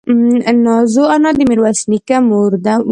نازو انا د ميرويس نيکه مور وه.